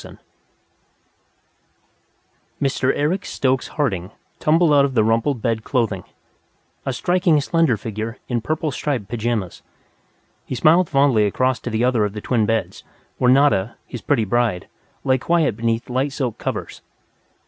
"_ Mr. Eric Stokes Harding tumbled out of the rumpled bed clothing, a striking slender figure in purple striped pajamas. He smiled fondly across to the other of the twin beds, where Nada, his pretty bride, lay quiet beneath light silk covers.